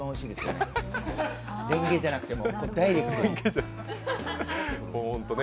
れんげじゃなくてもダイレクトに。